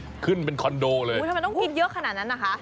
ทำไมต้องกินเยอะขนาดนั้นนะคะ